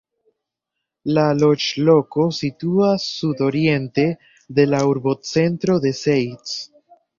La loĝloko situas sudoriente de la urbocentro de Zeitz.